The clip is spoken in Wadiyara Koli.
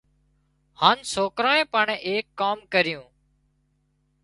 هانَ سوڪرانئين پڻ ايڪ ڪام ڪريون